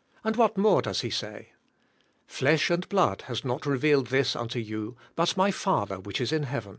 " And what more does He say? "Flesh and blood has not revealed this unto you but my Father which is in heaven.